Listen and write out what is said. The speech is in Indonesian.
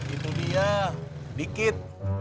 itu dia dikit